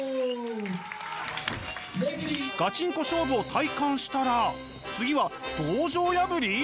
ガチンコ勝負を体感したら次は道場破り！？